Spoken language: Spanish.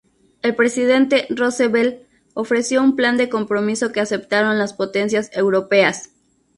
El presidente Roosevelt ofreció un plan de compromiso que aceptaron las potencias europeas.